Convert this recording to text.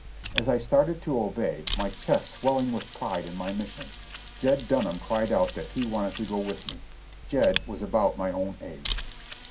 As I started to obey, my chest swelling with pride in my mission, Jed Dunham cried out that he wanted to go with me. Jed was about my own age.